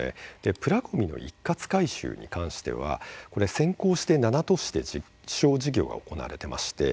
プラごみの一括回収に関しては先行して７都市で実証事業が行われています。